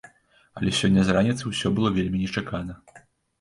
Але сёння з раніцы ўсё было вельмі нечакана.